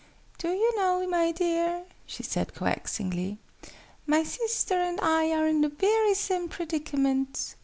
"Do you know, my dear," she said coaxingly, "my sister and I are in the very same predicament!